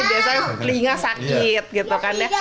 biasanya telinga sakit gitu kan ya